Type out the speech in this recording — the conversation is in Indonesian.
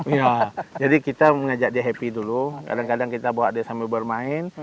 iya jadi kita mengajak dia happy dulu kadang kadang kita bawa dia sambil bermain